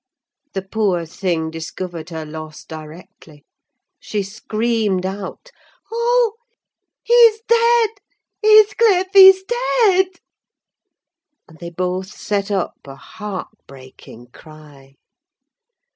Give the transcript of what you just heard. The poor thing discovered her loss directly—she screamed out—"Oh, he's dead, Heathcliff! he's dead!" And they both set up a heart breaking cry.